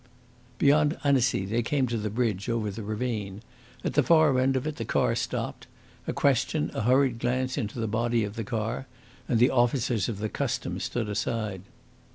Beyond Annecy, they came to the bridge over the ravine. At the far end of it, the car stopped. A question, a hurried glance into the body of the car, and the officers of the Customs stood aside.